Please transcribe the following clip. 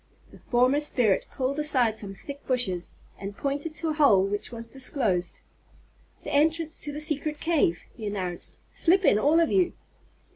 The former spirit pulled aside some thick bushes, and pointed to a hole which was disclosed. "The entrance to the secret cave," he announced. "Slip in all of you."